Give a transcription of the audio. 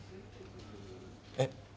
えっ？